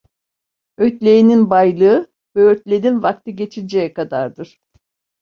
Ötleğenin baylığı böğürtlenin vakti geçinceye kadardır.